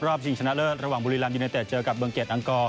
รอบจริงชนะเลิศระหว่างบุรีลำยูเนตเต็ดเจอกับเบื้องเกร็ดอังกอ